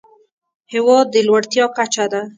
هېواد د لوړتيا کچه ده.